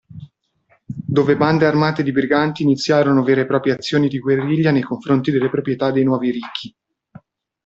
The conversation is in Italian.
Dove bande armate di briganti iniziarono vere e proprie azioni di guerriglia nei confronti delle proprietà dei nuovi ricchi.